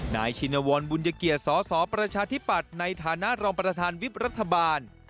ชินวรบุญเกียรติสสประชาธิปัตย์ในฐานะรองประธานวิบรัฐบาล